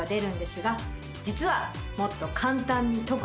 実は。